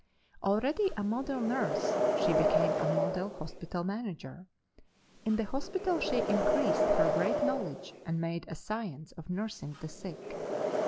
Already a model nurse, she became a model hospital manager. In the hospital she increased her great knowledge and made a science of nursing the sick.